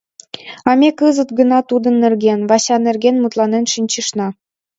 — А ме кызыт гына тудын нерген, Вася нерген мутланен шинчышна.